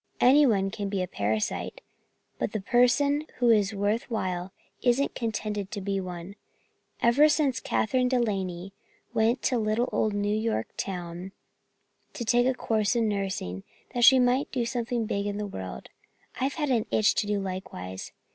Anyone can be a parasite, but the person who is worth while isn't contented to be one. Ever since Kathryn De Laney went to little old New York town to take a course in nursing that she might do something big in the world, I've had the itch to do likewise.